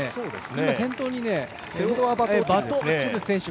今、先頭にバトオチル選手。